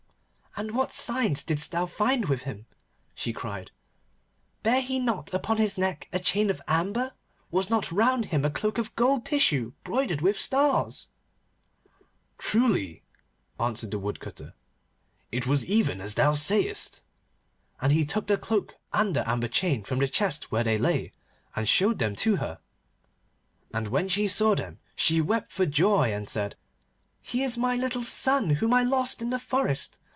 'And what signs didst thou find with him?' she cried. 'Bare he not upon his neck a chain of amber? Was not round him a cloak of gold tissue broidered with stars?' 'Truly,' answered the Woodcutter, 'it was even as thou sayest.' And he took the cloak and the amber chain from the chest where they lay, and showed them to her. And when she saw them she wept for joy, and said, 'He is my little son whom I lost in the forest.